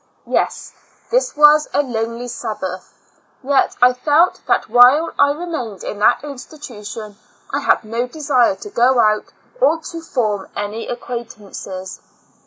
Yes, this was a lonely Sabbath; yet I felt that while I remained in that institution, I had no desire to go out or to form any acquaintances.